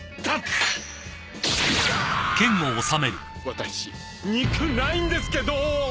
私肉ないんですけど！